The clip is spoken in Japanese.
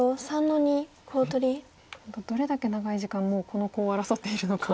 本当どれだけ長い時間もうこのコウを争っているのか。